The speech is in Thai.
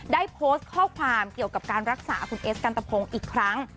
ได้โพสต์ข้อความเกี่ยวกับการรักษาคุณเอสกันตะพงอีกครั้ง